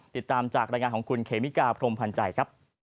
ติดตามจากรายงานของคุณเคมิกาพรมพันธ์ใจครับ